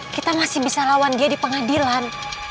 kita masih bisa lawan dia di pengadilan